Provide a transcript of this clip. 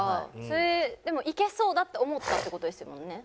それでもいけそうだって思ったって事ですもんね？